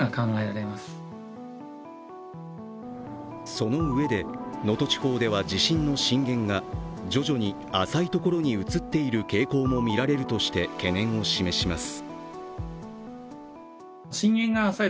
その上で、能登地方では地震の震源が徐々に浅い所に移っている傾向もみられるとして懸念を示します。